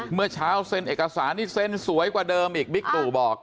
เมื่อเช้าเซ็นเอกสารนี่เซ็นสวยกว่าเดิมอีกบิ๊กตู่บอก